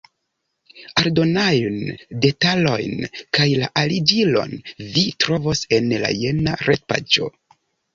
Aldonajn detalojn kaj la aliĝilon vi trovos en la jena retpaĝo.